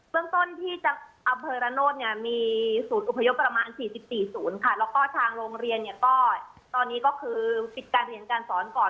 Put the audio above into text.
เริ่มต้นที่อัพเฮอร์โนธมีศูนย์อุพยพประมาณ๔๐สูตรค่ะแล้วก็ทางโรงเรียนตอนนี้ก็คือปิดการเรียนการสอนก่อน